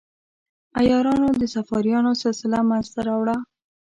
عیارانو د صفاریانو سلسله منځته راوړه.